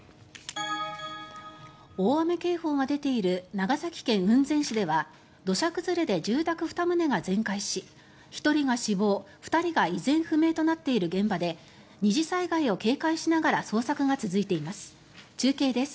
大雨警報が出ている長崎県雲仙市では土砂崩れで住宅２棟が全壊し１人が死亡２人が依然不明となっている現場で二次災害を警戒しながら捜索が続いています。